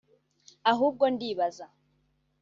ahubwo ndibaza